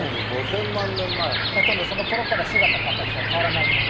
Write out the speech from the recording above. ほとんどその頃から姿形は変わらないまま。